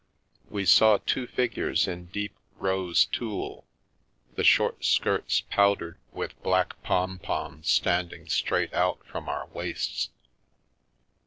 We saw two figures in deep rose tulle, the short skirts pow dered with black pompons standing straight out from our waists.